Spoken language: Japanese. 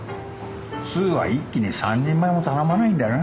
通は一気に３人前も頼まないんだよね。